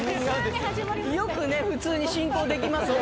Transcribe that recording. よく普通に進行できますね